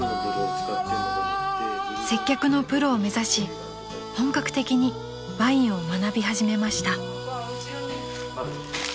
［接客のプロを目指し本格的にワインを学び始めました］